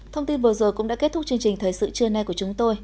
thông tin vừa rồi cũng đã kết thúc chương trình thời sự trưa nay của chúng tôi